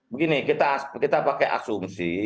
begini kita pakai asumsi